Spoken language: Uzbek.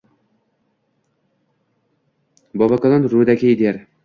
Bobokalon Rudakiy der: